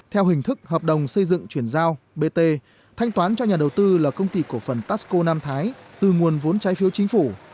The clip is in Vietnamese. theo hình thức hợp đồng xây dựng chuyển giao bt thanh toán cho nhà đầu tư là công ty cổ phần tasco nam thái từ nguồn vốn trái phiếu chính phủ